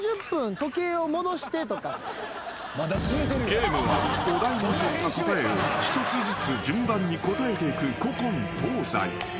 ［ゲームはお題に沿った答えを一つずつ順番に答えていく古今東西］